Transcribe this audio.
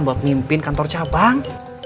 buat mimpin kantor cabang